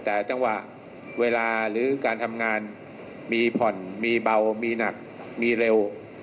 แต่จังหวะเวลาหรือการทำงานมีผ่อนมีเบามีหนักมีเร็ว